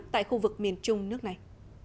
tại khu vực miền trung nước này